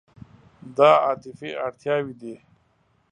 دا عاطفي اړتیاوې دي.